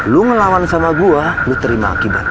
lu ngelawan sama gua lu terima akibatnya